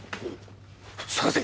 捜せ！